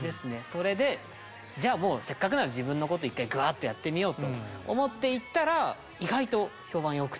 それでじゃあもうせっかくなら自分のこと一回グアーッとやってみようと思っていったら意外と評判良くて。